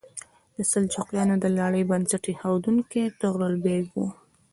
د سلجوقیانو د لړۍ بنسټ ایښودونکی طغرل بیګ و.